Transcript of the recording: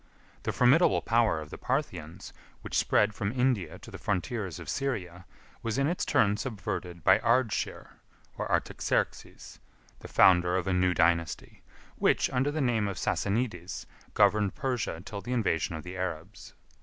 The formidable power of the Parthians, which spread from India to the frontiers of Syria, was in its turn subverted by Ardshir, or Artaxerxes; the founder of a new dynasty, which, under the name of Sassanides, governed Persia till the invasion of the Arabs.